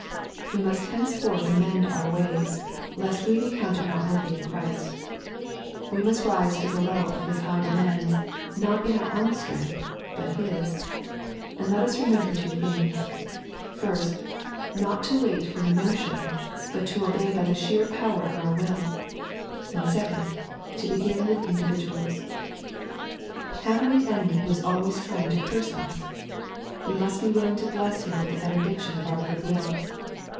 We must henceforth amend our ways, lest we be counted not worthy of Christ. "We must rise to the level of Hib high demands, not in our own strength, but His. And lot us remember two things : First, not to wait for an emotion, but to obey by the sheer power of our will ; and, second, to begin with individuals. Have we an enemy who is always trying to curse us I We must be willing to bless him with the benediction of our goodwill.